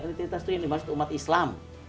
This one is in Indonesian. identitas itu yang dimaksud umat islam